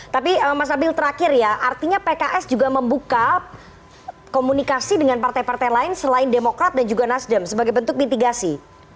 tapi mas abil terakhir ya artinya pks juga membuka komunikasi dengan partai partai lain selain demokrat dan juga nasdem sebagai bentuk mitigasi